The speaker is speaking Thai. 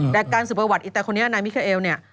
แต่การสุดประวัติแต่คนนี้นายมิเครลเนี่ย